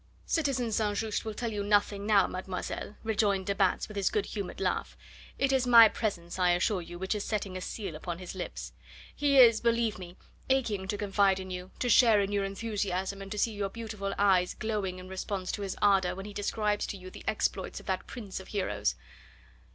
"Citizen St. Just will tell you nothing now, mademoiselle," rejoined de Batz with his good humoured laugh; "it is my presence, I assure you, which is setting a seal upon his lips. He is, believe me, aching to confide in you, to share in your enthusiasm, and to see your beautiful eyes glowing in response to his ardour when he describes to you the exploits of that prince of heroes.